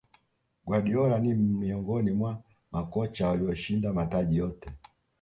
guardiola ni miongoni mwa makocha walioshinda mataji yote